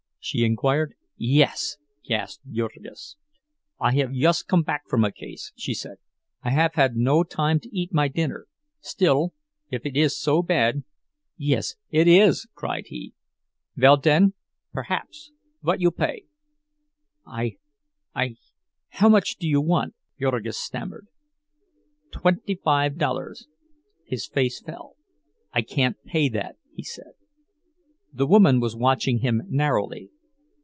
she inquired. "Yes," gasped Jurgis. "I haf yust come back from a case," she said. "I haf had no time to eat my dinner. Still—if it is so bad—" "Yes—it is!" cried he. "Vell, den, perhaps—vot you pay?" "I—I—how much do you want?" Jurgis stammered. "Tventy five dollars." His face fell. "I can't pay that," he said. The woman was watching him narrowly.